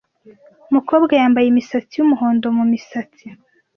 Umukobwa yambaye imisatsi yumuhondo mumisatsi.